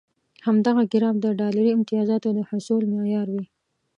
همدغه ګراف د ډالري امتیازاتو د حصول معیار وي.